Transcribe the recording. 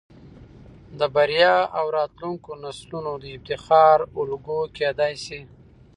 د بريا او راتلونکو نسلونه د افتخار الګو کېدى شي.